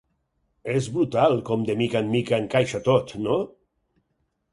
És brutal com de mica en mica encaixa tot, no?